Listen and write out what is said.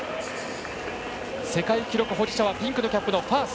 世界記録保持者はピンクのキャップのファース。